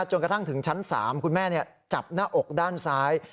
จนกระทั่งถึงชั้น๓คุณแม่จับหน้าอกด้านซ้าย